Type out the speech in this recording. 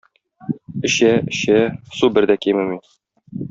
Эчә-эчә, су бер дә кимеми.